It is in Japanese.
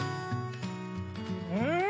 うん！